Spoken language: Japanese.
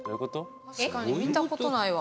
確かに、見たことないわ。